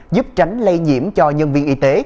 giúp tránh lây nhiễm cho nhân viên y tế